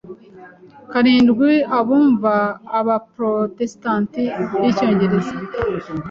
karindwi abumva abaprotestanti b'icyongereza.